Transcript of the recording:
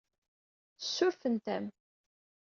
Ssurfent-am.